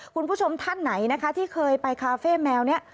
คุณผู้ชมท่านไหนนะคะที่เคยไปคาเฟ่แมวนี้